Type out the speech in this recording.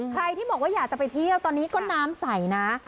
ใครที่บอกว่าอยากจะไปเที่ยวตอนนี้ก็น้ำใสนะ